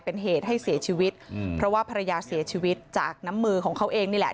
เป็นเหตุให้เสียชีวิตอืมเพราะว่าภรรยาเสียชีวิตจากน้ำมือของเขาเองนี่แหละ